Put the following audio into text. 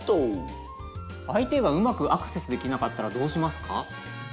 相手がうまくアクセスできなかったらどうしますか？